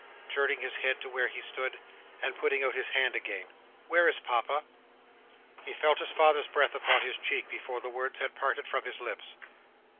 —turning his head to where he stood, and putting out his hand again. "Where is Papa?" He felt his father's breath upon his cheek, before the words had parted from his lips.